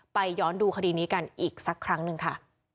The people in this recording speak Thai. ย้อนดูคดีนี้กันอีกสักครั้งหนึ่งค่ะ